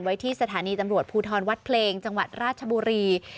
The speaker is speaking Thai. ที่สถานีตำรวจภูทรวัดเพลงจังหวัดราชบุรี